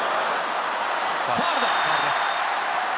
ファウルです。